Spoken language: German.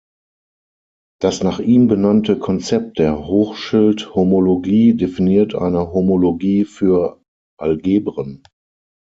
Das nach ihm benannte Konzept der Hochschild-Homologie definiert eine Homologie für Algebren.